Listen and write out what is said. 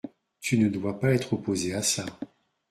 Tu ne dois pas être opposée à ça ?…